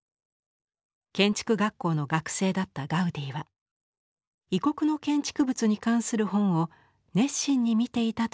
建築学校の学生だったガウディは異国の建築物に関する本を熱心に見ていたといいます。